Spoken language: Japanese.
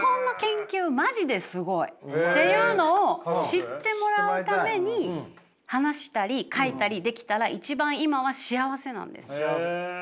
っていうのを知ってもらうために話したり書いたりできたら一番今は幸せなんです。